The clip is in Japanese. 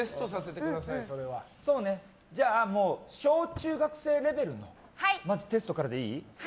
じゃあ、小中学生レベルのテストからでいい？